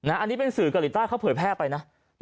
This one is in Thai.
อันนี้เป็นสื่อเกาหลีใต้เขาเผยแพร่ไปนะ